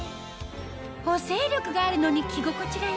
補整力があるのに着心地が良い